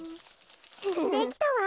できたわ。